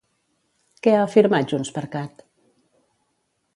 Què ha afirmat JxCat?